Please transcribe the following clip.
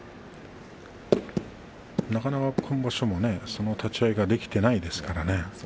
なかなか今場所もその立ち合いができていないですからね。